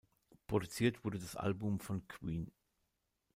Produziert wurde das Album von Queen.